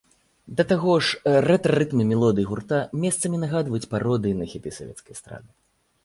Да таго ж, рэтра-рытмы мелодый гурта месцамі нагадваць пародыі на хіты савецкай эстрады.